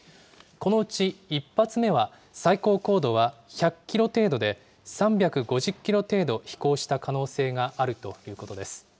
このうち１発目は、最高高度は１００キロ程度で、３５０キロ程度飛行した可能性があるということです。